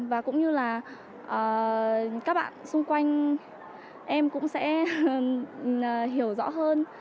và cũng như là các bạn xung quanh em cũng sẽ hiểu rõ hơn